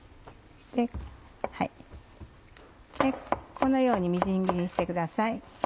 このようにみじん切りにしてください。